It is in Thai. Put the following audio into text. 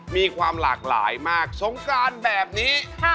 มีความหลากหลายมากสงกรานแบบนี้